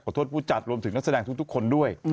โทษผู้จัดรวมถึงนักแสดงทุกคนด้วย